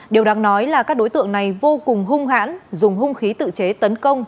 điều đáng nói là các đối tượng này vô cùng hung hãn dùng hung khí tự chế tấn công